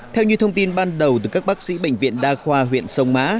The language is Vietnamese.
theo như thông tin ban đầu từ các bác sĩ bệnh viện đa khoa huyện sông mã